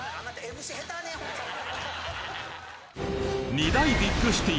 ２大ビッグシティ